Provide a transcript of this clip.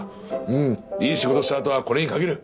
うんいい仕事したあとはこれに限る。